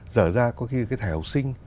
rở ra có cái thẻ học sinh